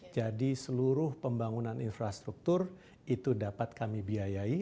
jadi seluruh pembangunan infrastruktur itu dapat kami biayai